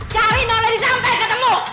cari noledisantai ketemu